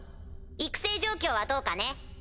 育成状況はどうかね？